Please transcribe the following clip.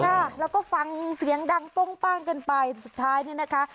ค่ะแล้วก็ฟังเสียงดังโป้งป้างกันไปสุดท้ายเนี่ยนะคะ